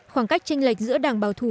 khoảng cách tranh lệch giữa đảng bảo thủ